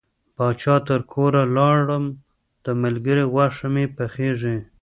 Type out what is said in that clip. د پاچا تر کوره لاړم د ملګري غوښه مې پخیږي.